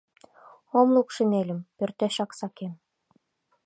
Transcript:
Ом лук шинельым — пӧртешак сакем.